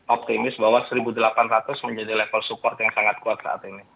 optimis bahwa satu delapan ratus menjadi level support yang sangat kuat saat ini